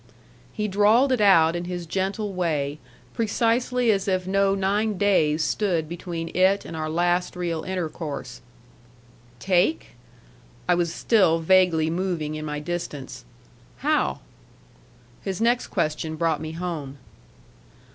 He drawled it out in his gentle way, precisely as if no nine days stood between it and our last real intercourse. "Take?" I was still vaguely moving in my distance. "How?" His next question brought me home.